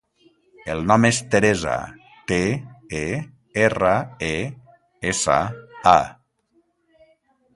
El nom és Teresa: te, e, erra, e, essa, a.